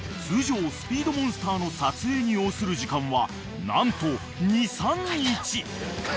［通常スピードモンスターの撮影に要する時間は何と２３日］